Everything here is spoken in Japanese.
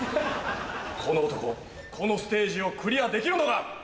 この男このステージをクリアできるのか？